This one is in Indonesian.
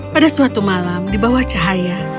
pada suatu malam di bawah cahaya